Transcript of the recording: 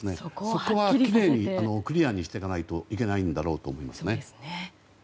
そこはきれいにクリアにしていかないといけないんだろうと思います。